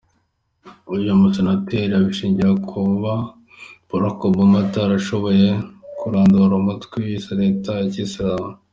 Uyu musenateri abishingira ku kuba Barack Obama atarashoboye kurandura umutwe wiyise Leta ya kisilamu.